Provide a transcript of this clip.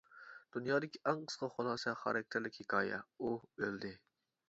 دۇنيادىكى ئەڭ قىسقا خۇلاسە خاراكتېرلىك ھېكايە: ئۇ ئۆلدى.